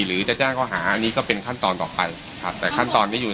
หรือจะแจ้งเขาหาอันนี้ก็เป็นขั้นตอนต่อไปครับแต่ขั้นตอนไม่อยู่